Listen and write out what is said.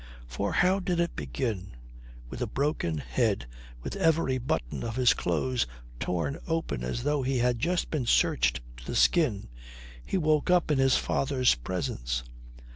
For how did it begin? With a broken head, with every button of his clothes torn open as though he had just been searched to the skin, he woke up in his father's presence.